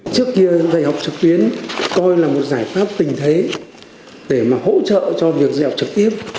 trước kia dạy học trực tuyến coi là một giải pháp tình thế để mà hỗ trợ cho việc dạy học trực tiếp